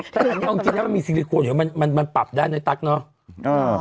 แต่อันนี้ต้องกินถ้ามันมีซิลิโครนอยู่มันมันมันปรับได้ในตั๊กเนอะอ๋อ